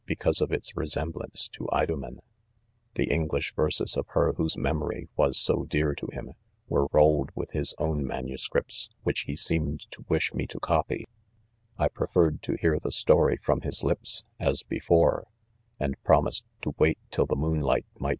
because of its resemblance to Idomen. The English verses of her whose memory was. so dear to .him, .were rolled with his own MSS. which he seemed to wish me to copy :— I ..preferred .to hear the story from his lips, as before, and promised .to wait till the moonlight might.